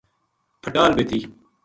پھٹال بے تھی۔